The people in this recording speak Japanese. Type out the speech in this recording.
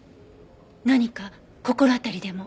何か心当たりでも？